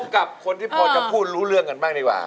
คุณชาย